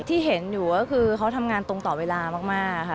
ที่เห็นอยู่ก็คือเขาทำงานตรงต่อเวลามากค่ะ